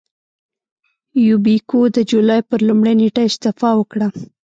یوبیکو د جولای پر لومړۍ نېټه استعفا وکړه.